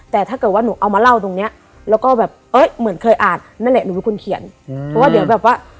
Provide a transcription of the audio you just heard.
แต่ถ้าเกิดว่าหนูเอามาเล่าตรงเนี้ยแล้วก็แบบเอ้ยเหมือนเคยอ่านนั่นแหละหนูเป็นคนเขียนเพราะว่าเดี๋ยวแบบว่า